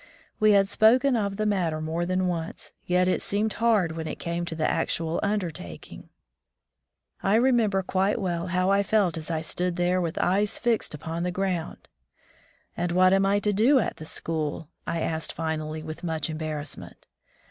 We had spoken of the matter more than once, yet it seemed hard when it came to the actual undertaking. 16 My First School Days I remember quite well how I felt as I stood there with eyes fixed upon the ground. "And what am I to do at the school?" I asked finally, with much embarrassment.